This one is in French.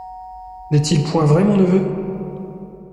N'est-il point vrai, mon neveu?